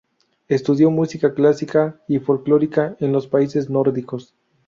Estudió música clásica y folclórica en los países nórdicos.